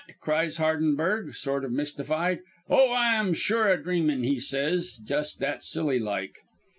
cries Hardenberg, sort of mystified, 'Oh, I'm sure a dreamin'! he says, just that silly like.